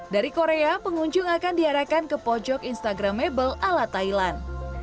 dari korea pengunjung akan diarahkan ke pojok instagramable ala thailand